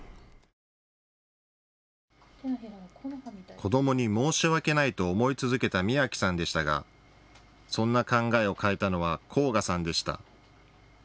子どもに申し訳ないと思い続けた美暁さんでしたが、そんな考えを変えたのは昊楽さんでした。